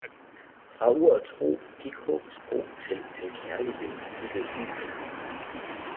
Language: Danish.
Fra ordet tro gik håbets bro til alkærligheden i det uendelige